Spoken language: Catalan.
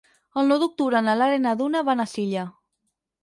El nou d'octubre na Lara i na Duna van a Silla.